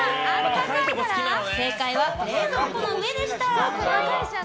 正解は冷蔵庫の上でした！